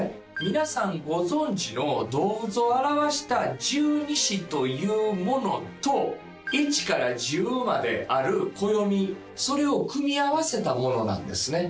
皆さんご存じの動物を表した十二支というものと一から十まである暦それを組み合わせたものなんですね